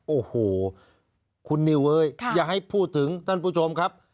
โอ้โหคุณนิวเว้ยอย่าให้พูดถึงท่านผู้ชมครับ